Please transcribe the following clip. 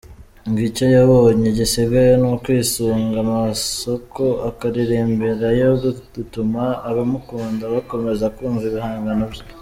Ngo icyo yabonye gisigaye ni ukwisunga amasoko akaririmbirayo, bigatuma abamukunda bakomeza kumva ibihangano bye.